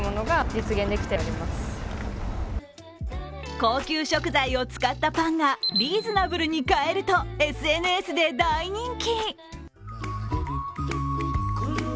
高級食材を使ったパンがリーズナブルに買えるとＳＮＳで大人気。